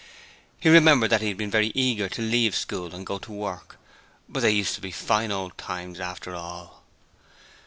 He remembered that he had been very eager to leave school and go to work, but they used to be fine old times after all.